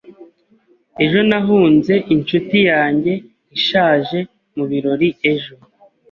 Ejo nahunze inshuti yanjye ishaje mubirori ejo.